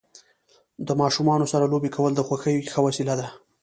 د ماشومانو سره لوبې کول د خوښۍ ښه وسیله ده.